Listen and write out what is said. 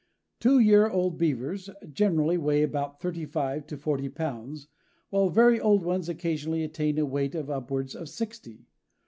"Two year old Beavers generally weigh about thirty five to forty pounds, while very old ones occasionally attain a weight of upwards of sixty.